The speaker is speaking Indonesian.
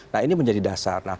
nah ini menjadi dasar